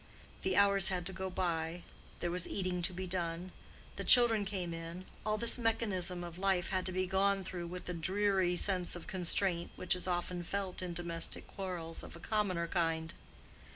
The hours had to go by; there was eating to be done; the children came in—all this mechanism of life had to be gone through with the dreary sense of constraint which is often felt in domestic quarrels of a commoner kind.